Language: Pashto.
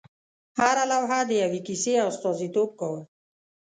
هره لوحه د یوې کیسې استازیتوب کاوه.